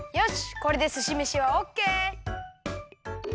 これですしめしはオッケー！